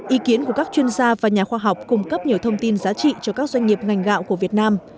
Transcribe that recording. ý kiến của các chuyên gia và nhà khoa học cung cấp nhiều thông tin giá trị cho các doanh nghiệp ngành gạo của việt nam